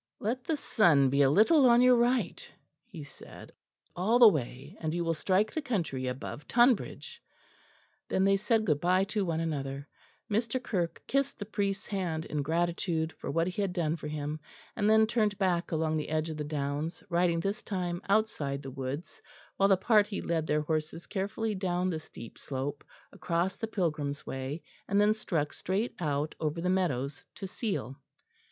"Let the sun be a little on your right," he said, "all the way; and you will strike the country above Tonbridge." Then they said good bye to one another; Mr. Kirke kissed the priest's hand in gratitude for what he had done for him, and then turned back along the edge of the downs, riding this time outside the woods, while the party led their horses carefully down the steep slope, across the Pilgrim's Way, and then struck straight out over the meadows to Seal.